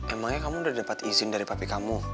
emangnya kamu udah dapet izin dari papi kamu